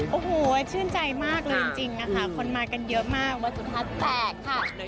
แม่เบลอชื่นใจมากเลยจริงคนมากันเยอะมากสุดท้ายแปลกค่ะ